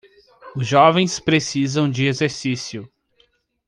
Os jovens precisam de exercício